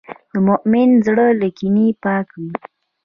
د مؤمن زړه له کینې پاک وي.